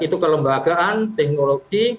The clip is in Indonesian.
baik itu kelembagaan teknologi dan juga perusahaan